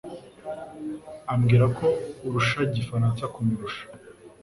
ambwira ko urusha igifaransa kumurusha